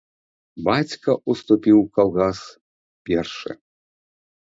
Бацька ўступіў у калгас першы.